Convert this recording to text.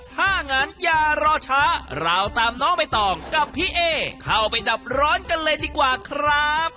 ถ้างั้นอย่ารอช้าเราตามน้องใบตองกับพี่เอเข้าไปดับร้อนกันเลยดีกว่าครับ